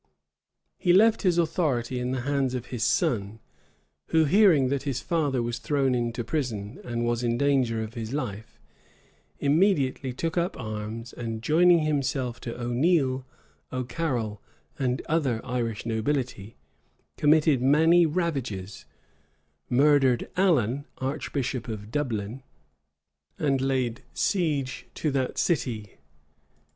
He left his authority in the hands of his son, who, hearing that his father was thrown into prison, and was in danger of his life, immediately took up arms, and joining himself to Oneale, Ocarrol, and other Irish nobility, committed many ravages, murdered Allen, archbishop of Dublin, and laid siege to that city.